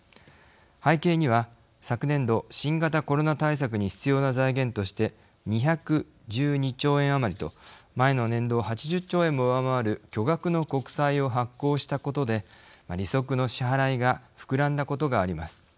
背景には昨年度新型コロナ対策に必要な財源として２１２兆円余りと前の年度を８０兆円も上回る巨額の国債を発行したことで利息の支払いが膨らんだことがあります。